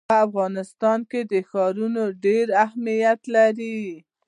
په افغانستان کې ښارونه ډېر اهمیت لري.